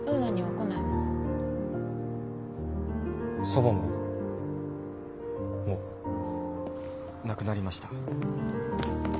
祖母ももう亡くなりました。